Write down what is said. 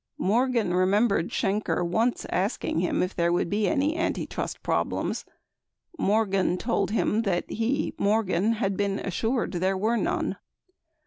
40 Morgan remembered Shenker once asking him if there would be any antitrust problems; Morgan told him that he, Morgan, had been assured there were none.